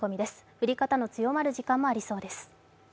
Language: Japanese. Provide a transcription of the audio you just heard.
降り方の強まる時間もありそうです。